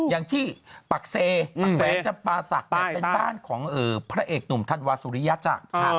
อย่างที่ปักเซปักแวงจำปาศักดิ์เป็นบ้านของพระเอกหนุ่มธันวาสุริยจักร